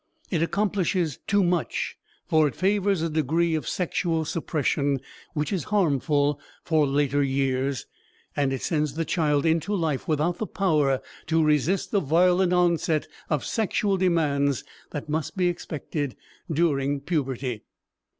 It accomplishes too much, for it favors a degree of sexual suppression which is harmful for later years, and it sends the child into life without the power to resist the violent onset of sexual demands that must be expected during puberty.